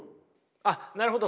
あっなるほど。